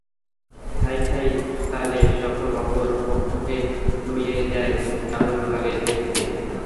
সাঁই সাঁই তালে যখন অপর পক্ষকে নুইয়ে দেয়, দারুণ লাগে দেখতে।